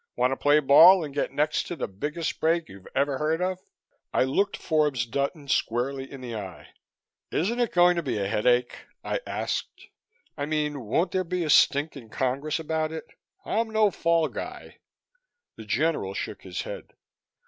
Want to play ball and get next to the biggest break you ever heard of?" I looked Forbes Dutton squarely in the eye. "Isn't it going to be a headache?" I asked. "I mean, won't there be a stink in Congress about it? I'm no fall guy." The General shook his head.